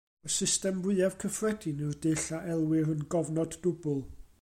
Y system fwyaf cyffredin yw'r dull a elwir yn gofnod dwbl.